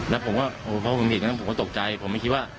แล้วผมก็พอผมเห็นแล้วผมก็ตกใจผมไม่คิดว่า